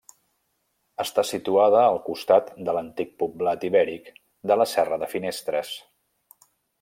Està situada al costat de l'antic poblat ibèric de la Serra de Finestres.